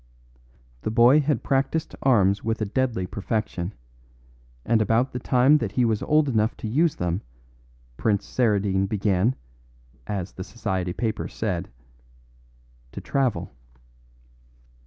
The boy had practised arms with a deadly perfection, and about the time that he was old enough to use them Prince Saradine began, as the society papers said, to travel.